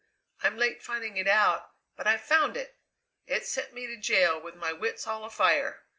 I'm late finding it out, but I've found it! It sent me to jail with my wits all afire.